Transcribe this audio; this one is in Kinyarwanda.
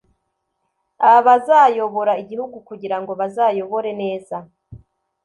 abazayobora igihugu kugira ngo bazayobore neza